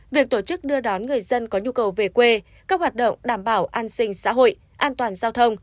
việc tổ chức đưa đón người dân có nhu cầu về quê các hoạt động đảm bảo an sinh xã hội an toàn giao thông